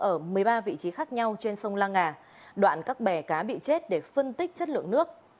ở một mươi ba vị trí khác nhau trên sông la ngà đoạn các bè cá bị chết để phân tích chất lượng nước